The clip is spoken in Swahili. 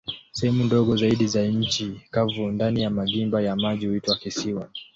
Sehemu ndogo zaidi za nchi kavu ndani ya magimba ya maji huitwa kisiwa.